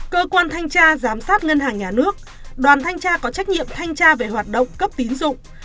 cơ quan thanh tra giám sát ngân hàng nhà nước đoàn thanh tra có trách nhiệm thanh tra về hoạt động cấp tín dụng